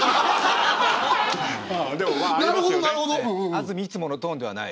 安住いつものトーンではない。